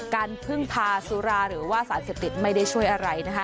การพึ่งพาเซูอาหรือว่าส่าคติดไม่ได้ช่วยอะไร